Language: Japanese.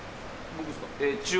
僕っすか？